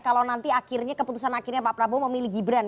kalau nanti akhirnya keputusan akhirnya pak prabowo memilih gibran